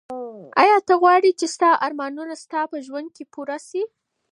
ایا ته غواړې چي ستا ارمانونه ستا په ژوند کي پوره سي؟